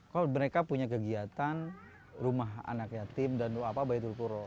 kalau mereka punya kegiatan rumah anak yatim dan baitul kuro